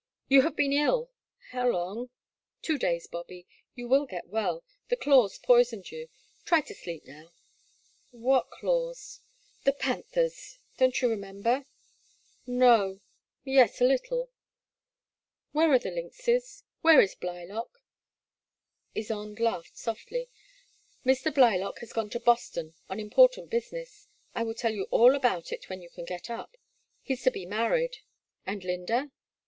You have been ill." How long?'* Two days, Bobby. You will get well — ^the daws poisoned you. Try to sleep now." "What claws? The — ^the panther's — don't you remember ?" If {4 The Black Water. 191 No — ^yes, a little. Where are the lynxes? Where is Blylock ?'' Ysonde laughed softly. '* Mr. Blylock has gone to Boston on important business. I will tell you all about it when you can get up. He 's to be married.*' AndI.ynda?